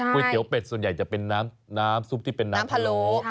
เตี๋ยวเป็ดส่วนใหญ่จะเป็นน้ำซุปที่เป็นน้ำพะโล